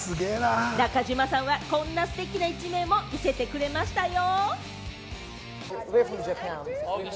中島さんはこんなステキな一面を見せてくれましたよ！